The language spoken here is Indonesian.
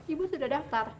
ibu sudah daftar